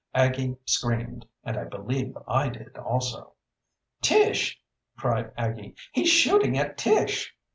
Aggie screamed, and I believe I did also. "Tish!" cried Aggie. "He's shooting at Tish!"